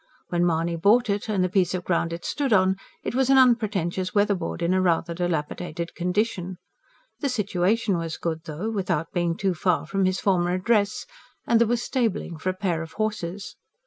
When Mahony bought it, and the piece of ground it stood on, it was an unpretentious weather board in a rather dilapidated condition. The situation was good though without being too far from his former address and there was stabling for a pair of horses.